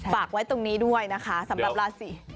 ฝากไว้ตรงนี้ด้วยนะคะสำหรับราศี